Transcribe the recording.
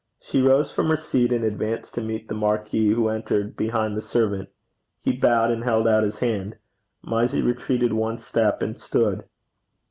She rose from her seat, and advanced to meet the marquis, who entered behind the servant. He bowed and held out his hand. Mysie retreated one step, and stood.